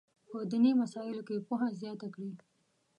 په دیني مسایلو کې پوهه زیاته کړي.